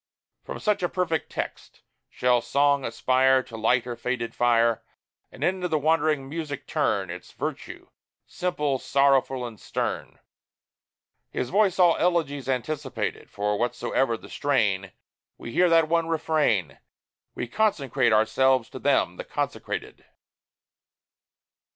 From such a perfect text, shall Song aspire To light her faded fire, And into wandering music turn Its virtue, simple, sorrowful, and stern? His voice all elegies anticipated; For, whatsoe'er the strain, We hear that one refrain: "We consecrate ourselves to them, the Consecrated!"